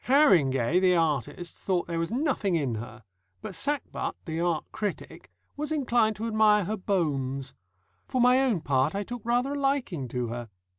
Harringay, the artist, thought there was nothing in her, but Sackbut, the art critic, was inclined to admire her bones. For my own part, I took rather a liking to her.